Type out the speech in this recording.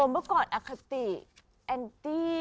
แบบก่อนอะครับตี้แอนตี้